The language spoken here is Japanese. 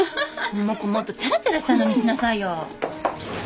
こうもっとチャラチャラしたのにしなさいよ。